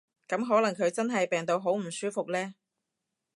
噉可能佢真係病到好唔舒服呢